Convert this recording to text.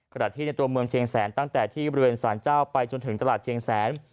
ที่ในตัวเมืองเชียงแสนตั้งแต่ที่บริเวณสารเจ้าไปจนถึงตลาดเชียงแสน